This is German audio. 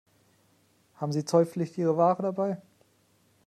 Haben Sie zollpflichtige Ware dabei?